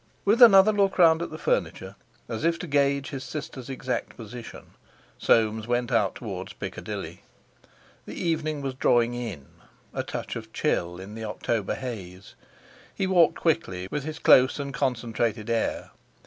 With another look round at the furniture, as if to gauge his sister's exact position, Soames went out towards Piccadilly. The evening was drawing in—a touch of chill in the October haze. He walked quickly, with his close and concentrated air.